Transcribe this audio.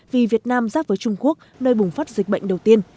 vì việt nam giáp với trung quốc nơi bùng phát dịch bệnh đầu tiên